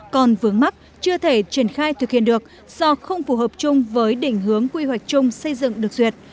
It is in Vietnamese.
còn vướng mắt chưa thể triển khai thực hiện được do không phù hợp chung với định hướng quy hoạch chung xây dựng được duyệt